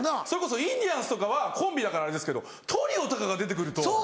それこそインディアンスとかはコンビだからあれですけどトリオとかが出て来ると。